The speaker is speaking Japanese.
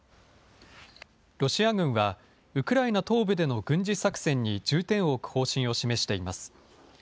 ロシア軍はウクライナ東部での軍事作戦に重点を置く方針を示しています。